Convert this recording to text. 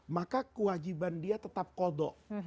maka kewajiban dia tetap kodok